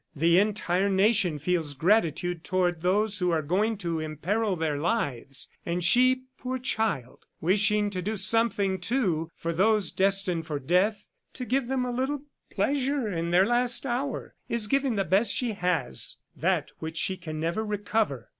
... The entire nation feels gratitude toward those who are going to imperil their lives, and she, poor child, wishing to do something, too, for those destined for death, to give them a little pleasure in their last hour ... is giving the best she has, that which she can never recover.